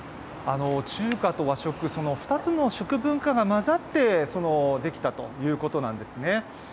中華と和食、２つの食文化が混ざって、出来たということなんですね。